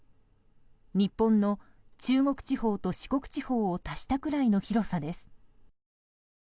日本の中国地方と四国地方を足したくらいの広さです。